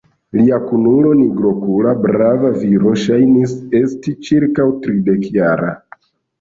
Lia kunulo, nigrokula brava viro, ŝajnis esti ĉirkaŭ tridekjara.